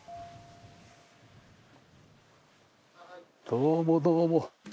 どうもどうも。